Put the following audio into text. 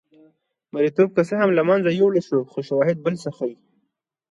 مریتوب که څه هم له منځه یووړل شو خو شواهد بل څه ښيي.